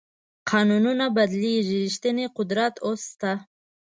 قانونونه بدلېږي ریښتینی قدرت اوس شته.